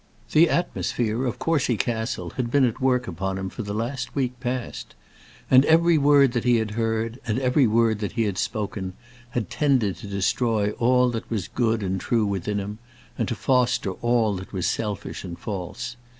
The atmosphere of Courcy Castle had been at work upon him for the last week past. And every word that he had heard, and every word that he had spoken, had tended to destroy all that was good and true within him, and to foster all that was selfish and false.